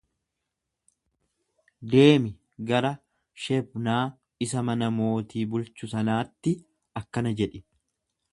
Deemi gara Shebnaa isa mana mootii bulchu sanaatti akkana jedhi.